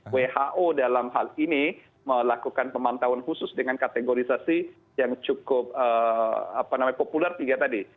who dalam hal ini melakukan pemantauan khusus dengan kategorisasi yang cukup populer tiga tadi